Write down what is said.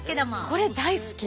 これ大好き。